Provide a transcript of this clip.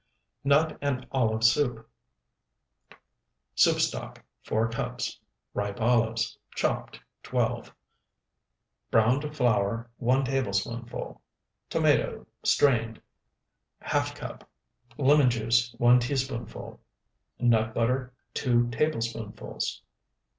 NUT AND OLIVE SOUP Soup stock, 4 cups. Ripe olives, chopped, 12. Browned flour, 1 tablespoonful. Tomato, strained, ½ cup. Lemon juice, 1 teaspoonful. Nut butter, 2 tablespoonfuls.